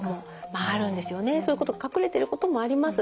そういうことが隠れてることもあります。